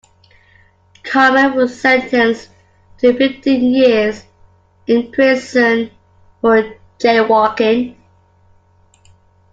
Carmen was sentenced to fifteen years in prison for jaywalking.